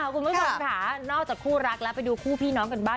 คุณผู้ชมค่ะนอกจากคู่รักแล้วไปดูคู่พี่น้องกันบ้าง